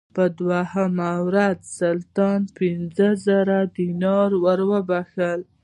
په دوهمه ورځ سلطان پنځه زره دیناره راوبخښل.